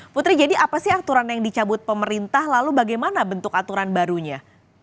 putri jadi apa sih aturan yang dicabut pemerintah lalu bagaimana bentuk aturan barunya